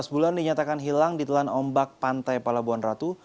delapan belas bulan dinyatakan hilang di telan ombak pantai palabuan ratu